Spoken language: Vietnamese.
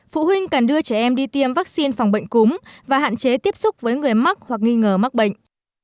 phụ huynh cần đưa trẻ em đi tiêm vaccine phòng bệnh cúm và hạn chế tiếp xúc với người mắc hoặc nghi ngờ mắc bệnh